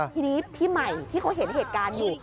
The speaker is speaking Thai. ทีนี้พี่ใหม่ที่เขาเห็นเหตุการณ์อยู่